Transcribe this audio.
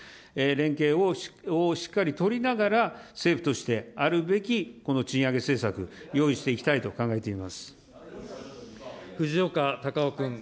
連携をしっかり取りながら、政府として、あるべきこの賃上げ政策、用意していきたいと考えて藤岡隆雄君。